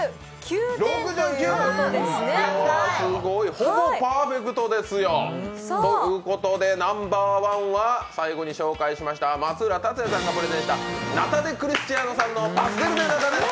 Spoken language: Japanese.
ほぼパーフェクトですよ。ということでナンバーワンは最後に紹介しました、松浦達也さんがプレゼンしたナタ・デ・クリスチアノさんのパステル・デ・ナタです。